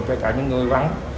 tất cả những người vắng